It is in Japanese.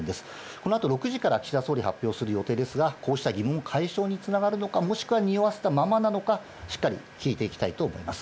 このあと６時から岸田総理、発表する予定ですが、こうした疑問の解消につながるのか、もしくはにおわせたままなのか、しっかり聞いていきたいと思います。